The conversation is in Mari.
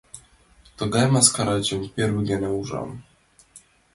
— Тыгай мыскарачым первый гана ужам...